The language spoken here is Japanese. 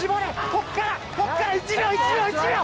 ここから、ここから１秒、１秒、１秒。